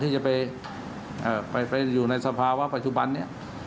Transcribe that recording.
ที่จะไปอยู่ในสภาวะปัจจุบันนี้